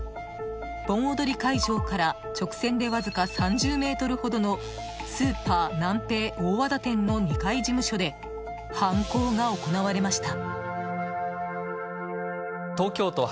盆踊り会場から直線でわずか３０ｍほどのスーパーナンペイ大和田店の２階事務所で犯行が行われました。